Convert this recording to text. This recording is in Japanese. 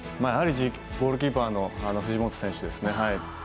やはりゴールキーパーの藤本選手ですね。